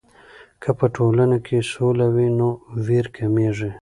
که په ټولنه کې سوله وي، نو ویر کمېږي.